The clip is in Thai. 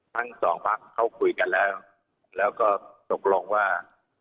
ทั้งสองพักเขาคุยกันแล้วแล้วก็ตกลงว่า